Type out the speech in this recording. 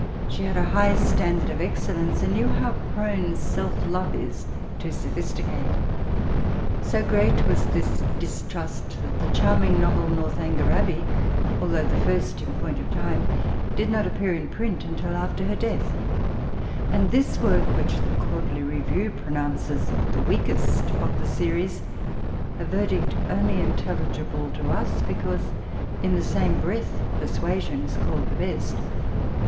She had a high sta^ard of excellence, and knew how prone self love is to sophisticate. So great was this distrust, that the charming novel, Northanger Abhey, although the first in point of time, did not ap /' pear in print until after her death ;' and this work, which the Quarterly Review pronounces the weakest of the series (a verdict only intelligible to us b^anee in the same breath Fermanan is called the best!)